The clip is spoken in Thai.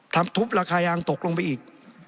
ทุบราคายางตกลงไปอีก